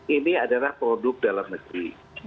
ini adalah produk dalam negeri